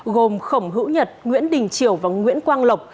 gồm khổng hữu nhật nguyễn đình triều và nguyễn quang lộc